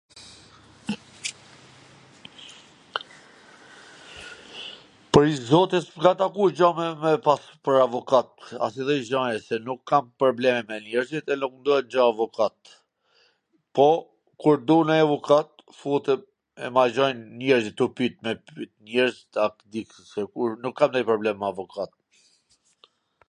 Pwr zotin, s mw ka taku me pas pwr avokat edhe njw gja aht se nuk kam probleme me njerzit e nuk dua gja avokat, po kur du nanj avukat futem e ma gjwjn njerzit tu pyt, me pyt njerzit ... se kur... nuk kam nanj problem me avokat...